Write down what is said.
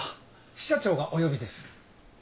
支社長がお呼びです。